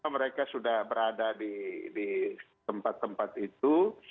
mereka sudah berada di tempat tempat itu